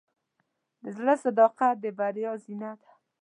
د زړۀ صداقت د بریا زینه ده.